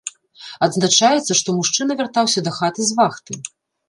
Адзначаецца, што мужчына вяртаўся дахаты з вахты.